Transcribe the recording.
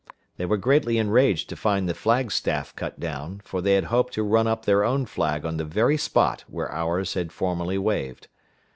They were greatly enraged to find the flag staff cut down, for they had hoped to run up their own flag on the very spot where ours had formerly waved.